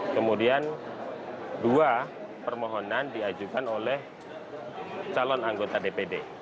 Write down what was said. kemudian dua permohonan diajukan oleh calon anggota dpd